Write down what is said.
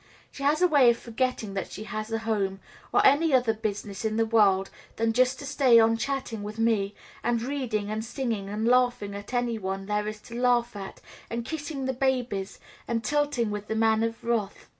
She has a way of forgetting that she has a home, or any other business in the world than just to stay on chatting with me, and reading, and singing, and laughing at any one there is to laugh at, and kissing the babies, and tilting with the Man of Wrath.